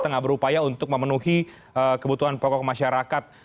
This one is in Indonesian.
tengah berupaya untuk memenuhi kebutuhan pokok masyarakat